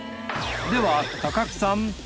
では木さん。